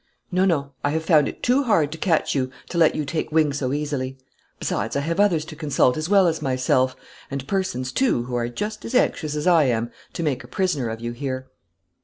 No, no; I have found it too hard to catch you, to let you take wing so easily; besides, I have others to consult as well as myself, and persons, too, who are just as anxious as I am to make a prisoner of you here."